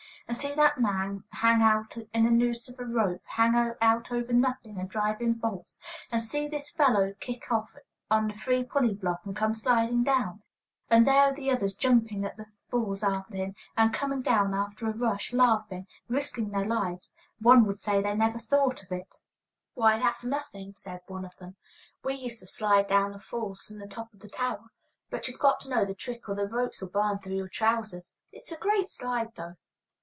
And see that man hang out in a noose of a rope, hang out over nothing, and drive in bolts. And see this fellow kick off on the free pulley block and come sliding down. Hoooo! And there are the others jumping at the falls after him, and coming down with a rush, laughing. Risking their lives? One would say they never thought of it. "Why, that's nothing!" said one of them; "we used to slide down the falls from the top of the tower. But you've got to know the trick or the ropes'll burn through your trousers. It's a great slide, though."